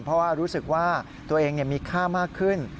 เพราะว่ารู้สึกว่าตัวเองมีค่ามากขึ้น